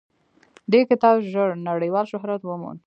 دې کتاب ژر نړیوال شهرت وموند.